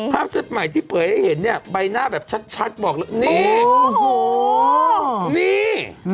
ภาพเซ็ตใหม่ที่เปิดให้เห็นเนี้ยใบหน้าแบบชัดบอกนี่โอ้โหนี่อืมนี่